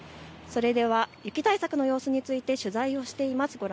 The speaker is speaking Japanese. それでは雪対策の様子について取材をしています。